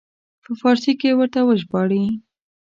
په فارسي یې ورته وژباړي.